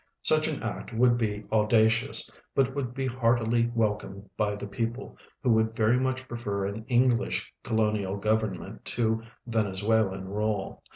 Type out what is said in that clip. Such an act Avould be audacious, but AA'ould l)c lieartily Avelcomed by the i)Cople, Avho AA'ould A'ery much |)referan English colonial goA'ci'innent to Venezuelan rule.